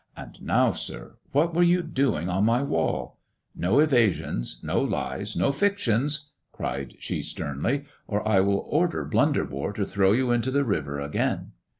And now, sir, what were you doing on my walH No evasions, no lies, no fictions," cried she sternly, "or I will order Blunderbore to throw you into the river again."